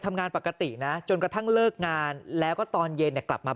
ทำงานปกตินะจนกระทั่งเลิกงานแล้วก็ตอนเย็นเนี่ยกลับมา